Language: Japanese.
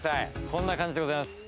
こんな感じでございます。